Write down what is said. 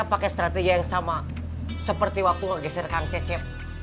mereka pakai strategi yang sama seperti waktu gak geser kangcecek